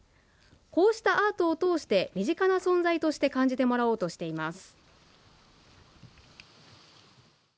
こうしたアートを通して身近な存在として感じてもらおうとしています。